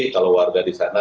kalau warga di sana